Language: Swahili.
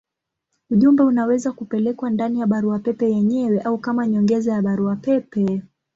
Ujumbe unaweza kupelekwa ndani ya barua pepe yenyewe au kama nyongeza ya barua pepe.